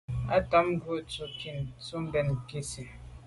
A be tam ngu’ à to’ nke ntsin tù mbèn nke nzine.